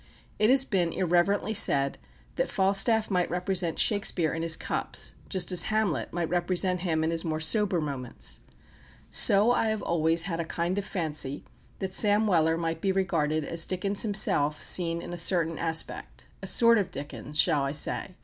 It has been irreverently said that Falstaff might represent Shakespeare in his cups, just as Hamlet might represent him in his more sober moments. So I have always had a kind of fancy that Sam Weller might be regarded as Dickens himself seen in a certain aspect a sort of Dickens, shall I say?